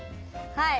はい。